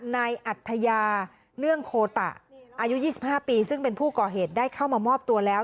นายอัธยาเนื่องโคตะอายุ๒๕ปีซึ่งเป็นผู้ก่อเหตุได้เข้ามามอบตัวแล้ว